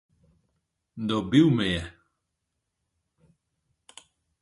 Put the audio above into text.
Dobil me je!